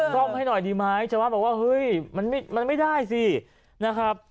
ซ่อมให้หน่อยดีไหมชาวบ้านบอกว่าเฮ้ยมันไม่ได้สินะครับ